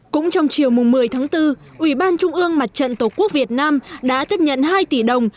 cũng trong chiều một mươi tháng bốn ủy ban trung ương mặt trận tổ quốc việt nam đã tiếp nhận hai tỷ đồng